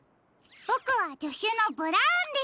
ボクはじょしゅのブラウンです。